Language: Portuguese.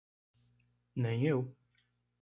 Nem eu